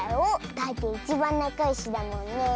だっていちばんなかよしだもんねえ。